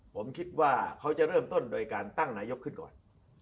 ผมคิดว่าเขาจะเริ่มต้นโดยการตั้งนายกขึ้นก่อน